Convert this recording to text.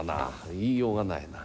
言いようがないな。